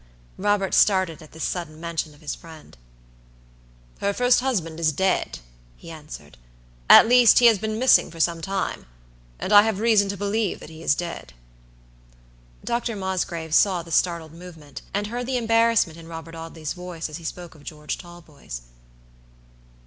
Robert started at this sudden mention of his friend. "Her first husband is dead," he answered, "at least, he has been missing for some timeand I have reason to believe that he is dead." Dr. Mosgrave saw the startled movement, and heard the embarrassment in Robert Audley's voice as he spoke of George Talboys.